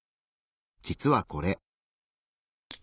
実はこれ。